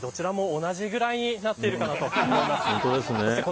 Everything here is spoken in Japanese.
どちらも同じぐらいになってると思います。